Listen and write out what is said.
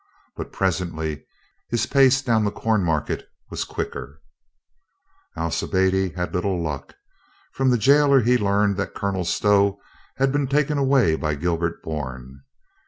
But presently his pace down the Cornmarket was quicker. Alcibiade had little luck. From the gaoler he learned that Colonel Stow had been taken away by MOLLY PROPOSES 383 Gilbert Bourne.